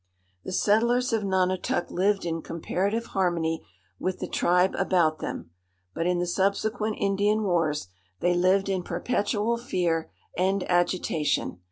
The settlers of Nonotuc lived in comparative harmony with the tribe about them; but in the subsequent Indian wars they lived in perpetual fear and agitation.